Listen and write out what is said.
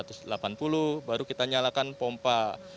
min satu delapan puluh baru kita nyalakan pompa satu